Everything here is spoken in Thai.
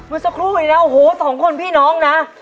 มันสักครู่ไปแล้วโห๒คนพี่น้องนะ